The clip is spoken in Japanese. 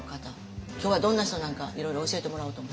今日はどんな人なんかいろいろ教えてもらおうと思って。